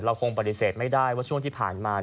คงปฏิเสธไม่ได้ว่าช่วงที่ผ่านมา